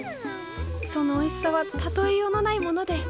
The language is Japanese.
そのおいしさは例えようのないもので。